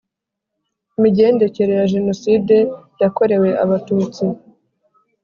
Imigendekere ya jenoside yakorewe abatutsi